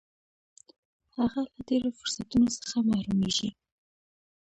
هغه له ډېرو فرصتونو څخه محرومیږي.